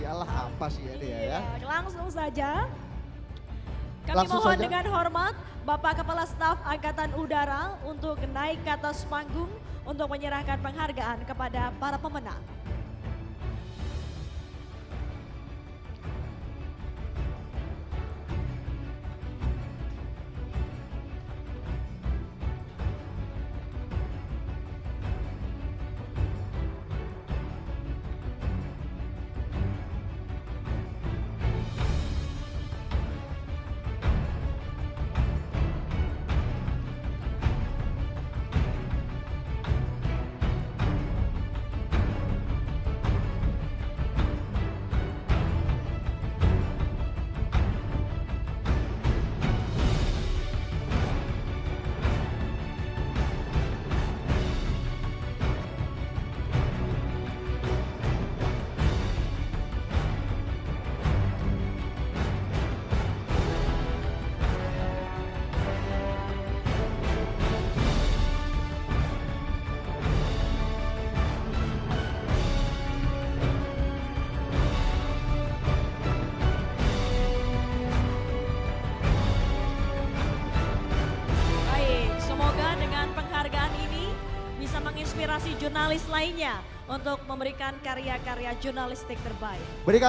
alah hampa sih ini ya